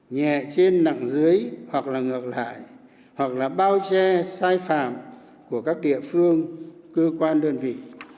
nhẹ trên nặng dưới hoặc là ngược lại hoặc là bao che sai phạm của các địa phương cơ quan đơn vị